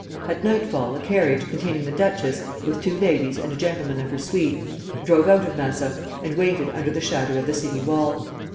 At nightfall a carriage, containing the duchess, with two ladies and a gentleman of her suite, drove out of Massa and waited under the shadow of the city wall.